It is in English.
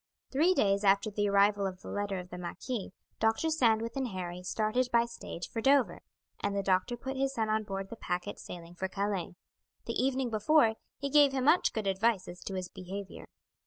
Three days after the arrival of the letter of the marquis, Dr. Sandwith and Harry started by stage for Dover, and the doctor put his son on board the packet sailing for Calais. The evening before, he gave him much good advice as to his behaviour.